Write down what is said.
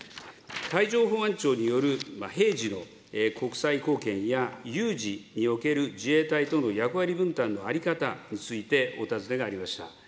海上保安庁による平時の国際貢献や、有事における自衛隊との役割分担の在り方についてお尋ねがありました。